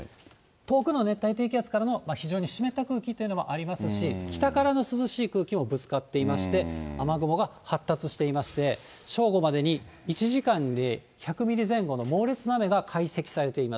遠くの熱帯低気圧からの非常に湿った空気というのもありますし、北からの涼しい空気もぶつかっていまして、雨雲が発達していまして、正午までに１時間で１００ミリ前後の猛烈な雨が解析されています。